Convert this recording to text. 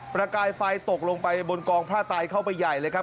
ประกายไฟตกลงไปบนกองผ้าไตเข้าไปใหญ่เลยครับ